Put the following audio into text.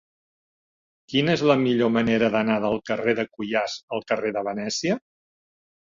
Quina és la millor manera d'anar del carrer de Cuyàs al carrer de Venècia?